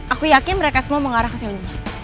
aku yakin mereka semua mengarah ke sini